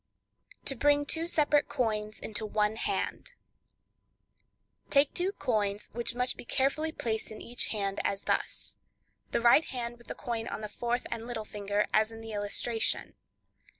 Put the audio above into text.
To Bring Two Separate Coins into One Hand:—Take two cents, which must be carefully placed in each hand, as thus: The right hand with the coin on the fourth and little finger, as in the, illustration.